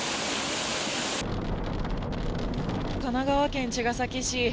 神奈川県茅ヶ崎市。